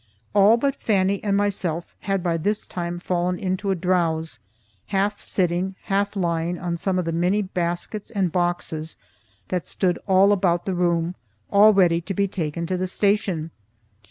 All but Fannie and myself had by this time fallen into a drowse, half sitting, half lying on some of the many baskets and boxes that stood all about the room all ready to be taken to the station.